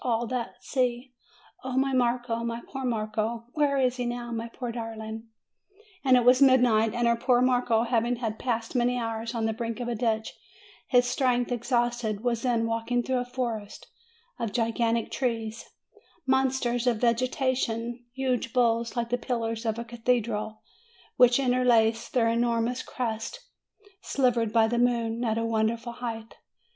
All that sea! O my Marco, my poor Marco ! Where is he now, my poor darling?" It was midnight; and her poor Marco, after having passed many hours on the brink of a ditch, his strength exhausted, was then walking through a forest of gigantic trees, monsters of vegetation, huge boles like the pillars of a cathedral, which interlaced their enormous crests, silvered by the moon, at a wonder ful height.